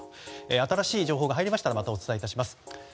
新しい情報が入りましたらまたお伝えします。